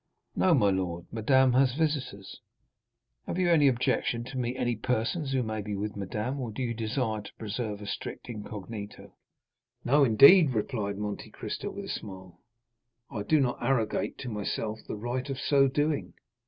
"No, my lord, madame has visitors." "Have you any objection to meet any persons who may be with madame, or do you desire to preserve a strict incognito?" "No, indeed," replied Monte Cristo with a smile, "I do not arrogate to myself the right of so doing."